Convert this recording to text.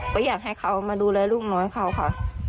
ก็อยากให้เขามาดูแลลูกน้อยเขาค่ะ